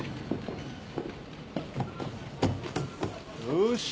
よし！